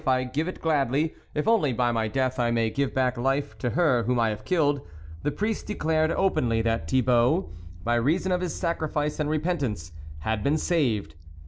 I give it gladly, if only by my death I may give back life to her whom I have killed," the priest declared openly that Thibault, by reason of his sacrifice and repentance, had been saved